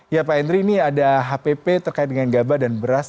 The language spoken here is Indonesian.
ya pak henry ini ada hpp terkait dengan gabah dan beras